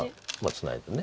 ツナいで。